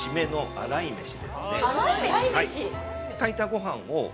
洗い飯？